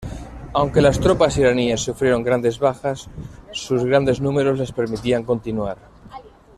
Aunque las tropas iraníes sufrieron grandes bajas, sus grandes números les permitían continuar.